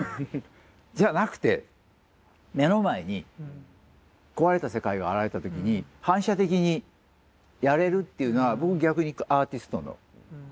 じゃなくて目の前に壊れた世界が現れた時に反射的にやれるっていうのは僕逆にアーティスト脳。